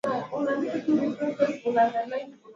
na moja kati ya mechi hizo ni kati ya poland na cote devoire